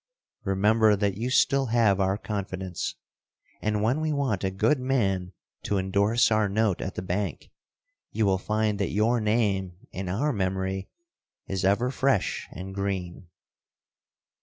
Remember that you still have our confidence, and when we want a good man to indorse our note at the bank, you will find that your name in our memory is ever fresh and green."